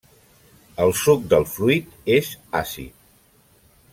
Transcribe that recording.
El suc del fruit és àcid.